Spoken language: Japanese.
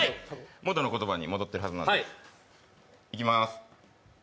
元の言葉にもどっているはずなんです、いきます。